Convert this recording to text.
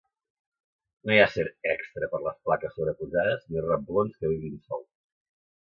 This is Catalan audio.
No hi acer extra per les plaques sobreposades ni reblons que vibrin solts.